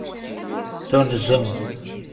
Tunzem.